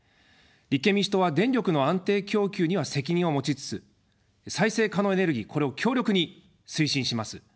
立憲民主党は電力の安定供給には責任を持ちつつ再生可能エネルギー、これを強力に推進します。